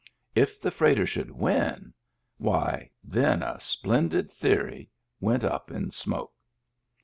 If the freighter should win — why, then, a splendid theory went up in smoke.